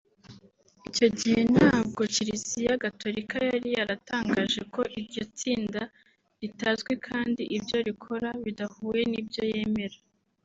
Icyo gihe nabwo Kiliziya gatolika yari yaratangaje ko iryo tsinda ritazwi kandi ibyo rikora bidahuye n’ibyo yemera